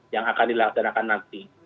yang akan dilaksanakan nanti